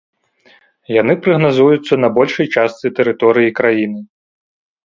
Яны прагназуюцца на большай частцы тэрыторыі краіны.